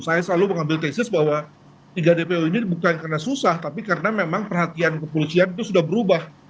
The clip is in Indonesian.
saya selalu mengambil tesis bahwa tiga dpo ini bukan karena susah tapi karena memang perhatian kepolisian itu sudah berubah